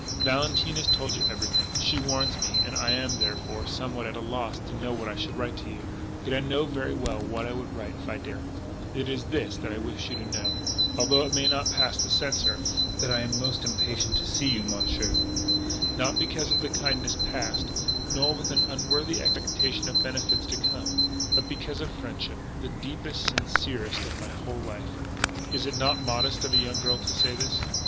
"Valentine has told you everything, she warns me, and I am, therefore, somewhat at a loss to know what I should write to you. "Yet, I know very well what I would write if I dare. It is this: that I wish you to know although it may not pass the censor that I am most impatient to see you, Monsieur. Not because of kindness past, nor with an unworthy expectation of benefits to come. But because of friendship, the deepest, sincerest of my WHOLE LIFE. "Is it not modest of a young girl to say this?